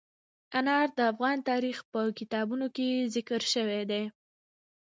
انار د افغان تاریخ په کتابونو کې ذکر شوی دي.